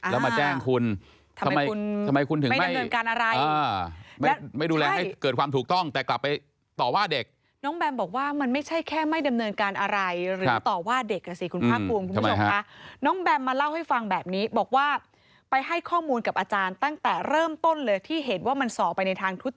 แล้วมาแจ้งคุณ